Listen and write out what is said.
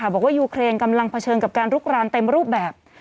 บอกว่ายูเครนกำลังเผชิญกับการลุกรานเต็มรูปแบบ